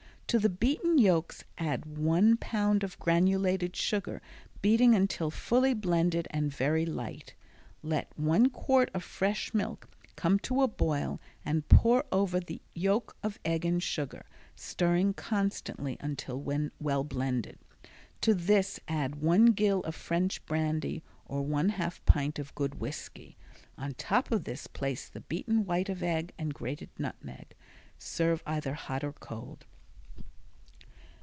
To the beaten yolks add one pound of granulated sugar, beating until fully blended and very light. Let one quart of fresh milk come to a boil and pour over the yolk of egg and sugar, stirring constantly until well blended. To this add one gill of French brandy or one half pint of good whisky. On top of this place the beaten white of egg and grated nutmeg. Serve either hot or cold.